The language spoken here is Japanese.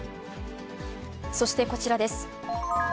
そしてこちらです。